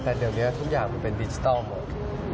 แต่เดี๋ยวนี้ทุกอย่างมันเป็นดิจิทัลหมด